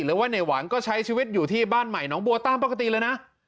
หรือว่าในหวังก็ใช้ชีวิตอยู่ที่บ้านใหม่น้องบัวตามปกติเลยนะ